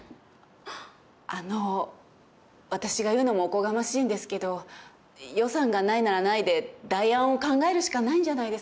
あの私が言うのもおこがましいんですけど予算がないならないで代案を考えるしかないんじゃないですかね？